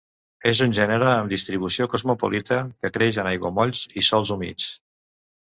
És un gènere amb distribució cosmopolita, que creix en aiguamolls i sòls humits.